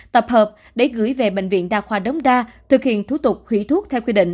tập hợp để gửi về bệnh viện đa khoa đống đa thực hiện thủ tục hủy thuốc theo quy định